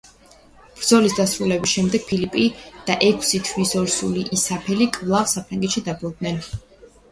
ბრძოლის დასრულების შემდეგ ფილიპი და ექვსი თვის ორსული ისაბელი კვლავ საფრანგეთში დაბრუნდნენ.